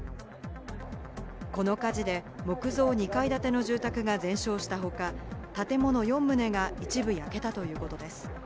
この火事で木造２階建ての住宅が全焼したほか、建物４棟が一部焼けたということです。